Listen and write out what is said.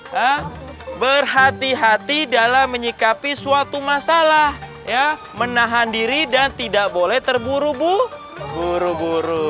depend hati hati dalam menikmati suatu masalah ya menahan diri dan tidak boleh terburu bu huru huru